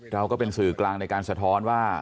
เราก็เป็นสื่อกลางในการสะท้อนว่า